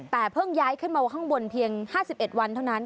แต่เพิ่งย้ายขึ้นมาข้างบนเพียง๕๑วันเท่านั้น